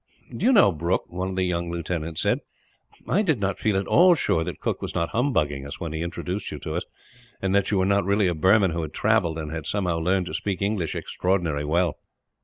"Do you know, Brooke," one of the young lieutenants said, "I did not feel at all sure that Cooke was not humbugging us, when he introduced you to us, and that you were not really a Burman who had travelled, and had somehow learned to speak English extraordinarily well."